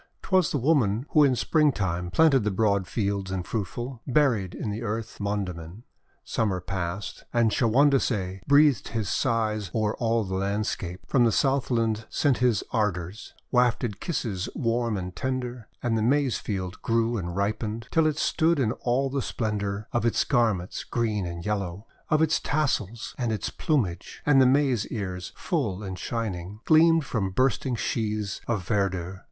'T was the women who in Springtime Planted the broad fields and fruitful, Buried in the earth Mondamin. •*••••• Summer passed, and Shawondasee Breathed his sighs o'er all the landscape, From the Southland sent his ardours, Wafted kisses warm and tender; And the Maize field grew and ripened, Till it stood in all the splendour Of its garments green and yellow, Of its tassels and its plumage, And the Maize ears full and shining Gleamed from bursting sheaths of verdure.